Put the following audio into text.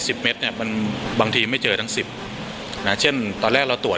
สิบเมตรเนี้ยมันบางทีไม่เจอทั้งสิบนะเช่นตอนแรกเราตรวจ